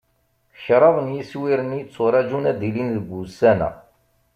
Kraḍ n yiswiren i yetturaǧun ad d-ilin deg wussan-a.